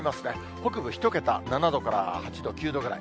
北部１桁、７度から８度、９度ぐらい。